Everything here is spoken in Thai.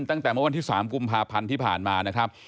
ตั้งแต่เมื่อวันที่๓กุมภาพันธ์ที่ผ่านมานะครับ